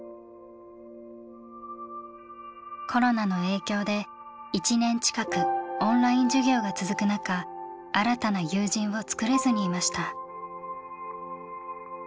コロナの影響で１年近くオンライン授業が続く中新たな友人をつくれずにいました。